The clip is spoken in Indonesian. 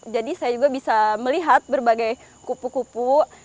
jadi saya juga bisa melihat berbagai kupu kupu